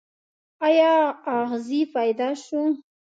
ایا اغزی پیدا شو.